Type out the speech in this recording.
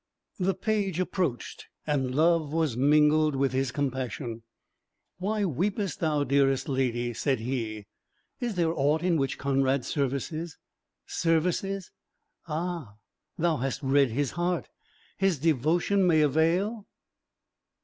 The page approached, and love was mingled with his compassion. "Why weepest thou, dearest lady?" said he; "is there aught in which Conrad's services services! ah thou hast read his heart his devotion may avail?"